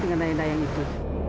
dengan dayang dayang itu